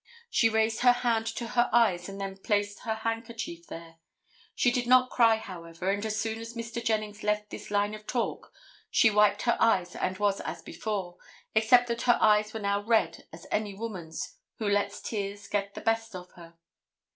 She raised her hand to her eyes and then placed her handkerchief there. She did not cry, however, and as soon as Mr. Jennings left this line of talk she wiped her eyes and was as before, except that her eyes were now red as any woman's who lets tears get the best of her.